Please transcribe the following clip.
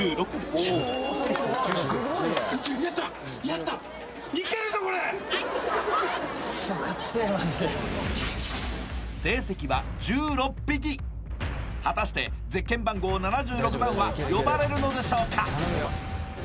おお１６やったやったっクッソ成績は１６匹果たしてゼッケン番号７６番は呼ばれるのでしょうか？